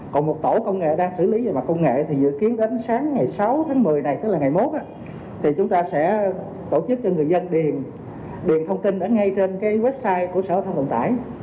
còn một tổ công nghệ đang xử lý về mặt công nghệ thì dự kiến đến sáng ngày sáu tháng một mươi này tức là ngày một thì chúng ta sẽ tổ chức cho người dân điền thông tin đó ngay trên cái website của sở thông vận tải